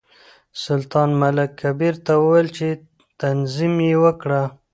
سلطان ملک کبیر ته وویل چې تعظیم وکړه.